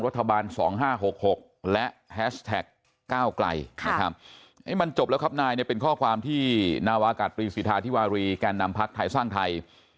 รัฐบาล๒๕๖๖และแฮชแท็ก๙ไกลมันจบแล้วครับนายเนี่ยเป็นข้อความที่นาวากัดปรีศรีษฐาธิวารีแก่นำพักษ์ไถ้สร้างไทย